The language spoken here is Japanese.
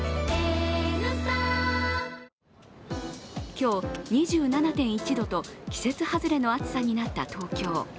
今日２７．１度と季節外れの暑さになった東京。